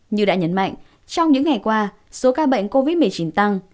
như đã nhấn mạnh trong những ngày qua số ca bệnh covid một mươi chín tăng